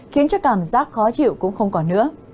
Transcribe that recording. khiến cho cảm giác khó chịu cũng không còn nữa